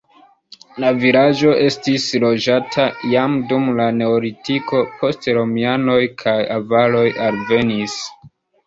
La vilaĝo estis loĝata jam dum la neolitiko, poste romianoj kaj avaroj alvenis.